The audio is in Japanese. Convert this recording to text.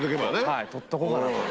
はい取っとこうかなと。